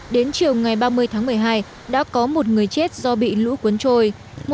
đến chiều ngày ba mươi tháng một mươi hai đã có một người chết do bị lũ cuốn trôi